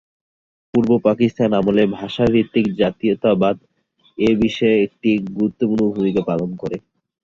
পূর্ব পাকিস্তান আমলে ভাষা ভিত্তিক জাতীয়তাবাদ এ বিষয়ে একটি গুরুত্বপূর্ণ ভূমিকা পালন করে।